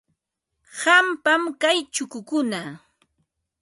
Qampam kay chukukuna.